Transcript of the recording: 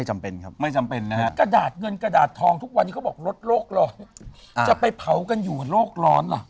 จะไปเผากันอยู่งรอบร้อน